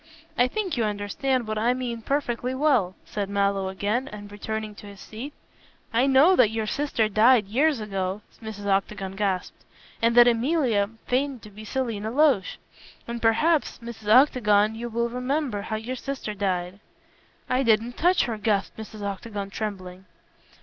"I think you understand what I mean perfectly well," said Mallow again, and returning to his seat. "I know that your sister died years ago," Mrs. Octagon gasped, "and that Emilia feigned to be Selina Loach. And perhaps, Mrs. Octagon, you will remember how your sister died." "I didn't touch her," gasped Mrs. Octagon, trembling.